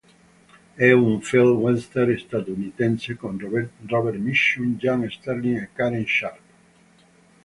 È un film western statunitense con Robert Mitchum, Jan Sterling e Karen Sharpe.